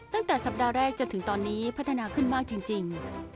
ตั้งแต่สัปดาห์แรกจนถึงตอนนี้พัฒนาขึ้นมากจริง